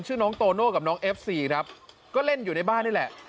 ชื่อน้องโตโน่กับน้องเอฟซีครับก็เล่นอยู่ในบ้านนี่แหละ